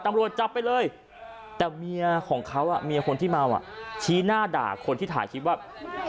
ตำรวจจับไปเลยแต่เมียของเขาเมียคนที่เมาอ่ะชี้หน้าด่าคนที่ถ่ายคลิปว่า